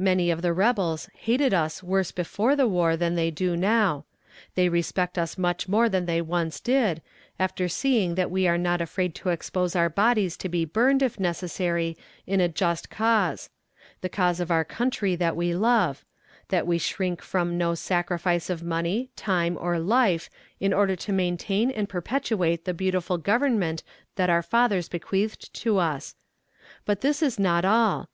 Many of the rebels hated us worse before the war than they do now. They respect us much more than they once did, after seeing that we are not afraid to expose our bodies to be burned, if necessary, in a just cause the cause of our country that we love; that we shrink from no sacrifice of money, time or life in order to maintain and perpetuate the beautiful Government that our fathers bequeathed to us. But this is not all.